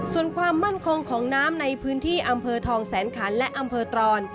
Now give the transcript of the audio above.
ส่วนความมั่นคงของน้ำในพื้นที่อำเภอทองแสนขันและอำเภอตรอน